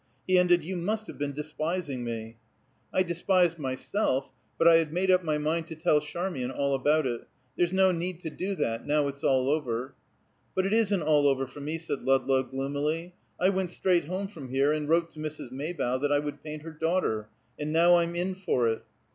He ended, "You must have been despising me!" "I despised myself. But I had made up my mind to tell Charmian all about it. There's no need to do that, now it's all over." "But it isn't all over for me," said Ludlow gloomily. "I went straight home from here, and wrote to Mrs. Maybough that I would paint her daughter, and now I'm in for it."